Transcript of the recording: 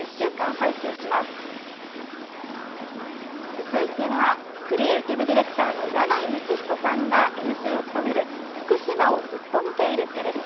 続いてはクリエーティブディレクターの箭内道彦さんがＭＣを務める「福島をずっと見ているＴＶ」。